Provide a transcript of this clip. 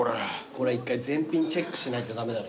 これ１回全品チェックしないと駄目だね。